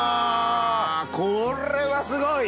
これはすごい。